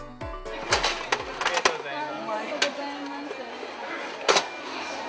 ありがとうございます。